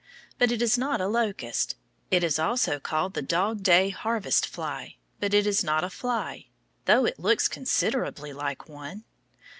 But it is not a locust. It is also called the dog day harvest fly, but it is not a fly, though it looks considerably like one.